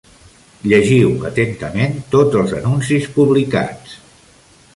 Llegiu atentament tots els anuncis publicats.